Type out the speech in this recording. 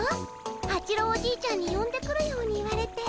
八郎おじいちゃんによんでくるように言われて。